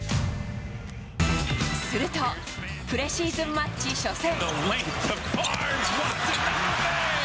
するとプレシーズンマッチ初戦。